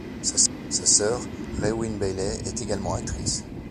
Sa soeur, Raewyn Bailey est également actrice.